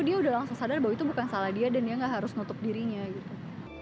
dia udah langsung sadar bahwa itu bukan salah dia dan dia gak harus nutup dirinya gitu